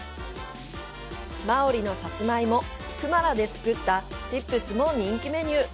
マオリのサツマイモ「クマラ」で作ったチップスも人気メニュー。